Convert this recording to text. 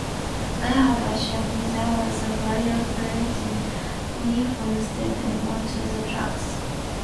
I had assumed there was a barrier preventing me from stepping onto the tracks.